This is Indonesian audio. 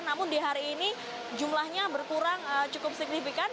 namun di hari ini jumlahnya berkurang cukup signifikan